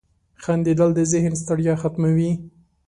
• خندېدل د ذهن ستړیا ختموي.